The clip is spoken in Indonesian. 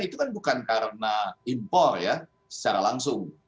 itu kan bukan karena impor ya secara langsung